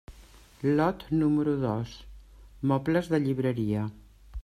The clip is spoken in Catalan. Lot número dos: mobles de llibreria.